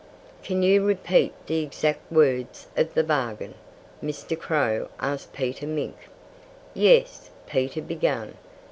"Can you repeat the exact words of the bargain?" Mr. Crow asked Peter Mink. "Yes," Peter began.